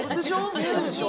見えるでしょ？